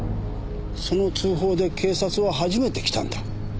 その通報で警察は初めて来たんだ。